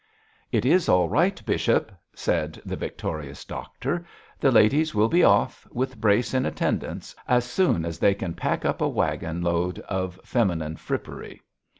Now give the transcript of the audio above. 'It is all right, bishop!' said the victorious doctor. 'The ladies will be off, with Brace in attendance, as soon as they can pack up a waggon load of feminine frippery.'